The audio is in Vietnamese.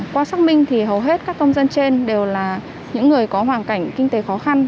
qua xác minh thì hầu hết các công dân trên đều là những người có hoàn cảnh kinh tế khó khăn